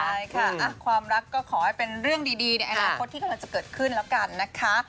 ใช่ค่ะความรักก็ขอให้เป็นเรื่องดีในอนาคตที่กำลังจะเกิดขึ้นแล้วกันนะคะ